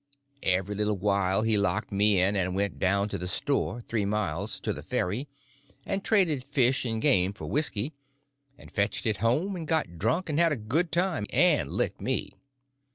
Every little while he locked me in and went down to the store, three miles, to the ferry, and traded fish and game for whisky, and fetched it home and got drunk and had a good time, and licked me.